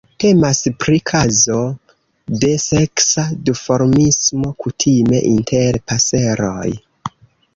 Temas pri kazo de seksa duformismo, kutime inter paseroj.